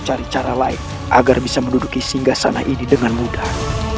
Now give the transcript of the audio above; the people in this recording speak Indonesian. mencari cara lain agar bisa menduduki singgah sana ini dengan mudah